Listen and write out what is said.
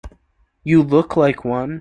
You look like one.